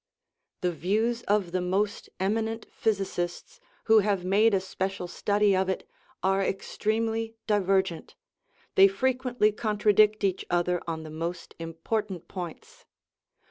The views of the most eminent physicists, who have made a special study of it, are extremely divergent; they frequently contradict each other on the most important points.